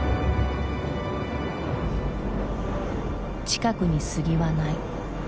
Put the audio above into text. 近くに杉はない。